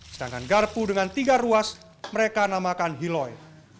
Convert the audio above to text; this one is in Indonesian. sedangkan garpu dengan tiga ruas mereka namakan hiloi